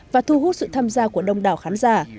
và thu hút sự tham gia của đông đảo khán giả